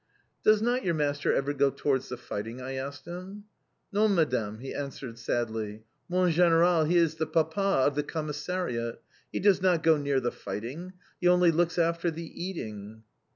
"Does not your master ever go towards the fighting?" I asked him. "Non, madame," he answered sadly, "Mon general, he is the PAPA of the Commissariat! He does not go near the fighting. He only looks after the eating."